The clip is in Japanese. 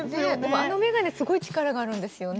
あの眼鏡力があるんですよね。